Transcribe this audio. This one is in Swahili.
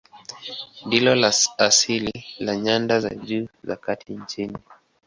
Ndilo la asili la nyanda za juu za kati nchini.